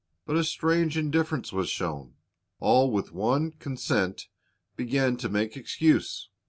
But a strange indifference was shown. "All with one consent began to make excuse.